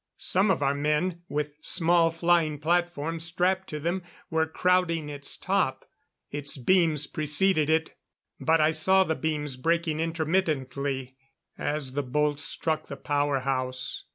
Some of our men, with small flying platforms strapped to them, were crowding its top. Its beams preceded it but I saw the beams breaking intermittently as the bolts struck the power house.